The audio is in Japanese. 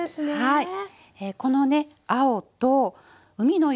はい。